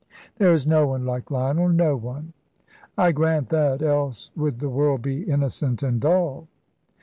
"There is no one like Lionel no one." "I grant that, else would the world be innocent and dull."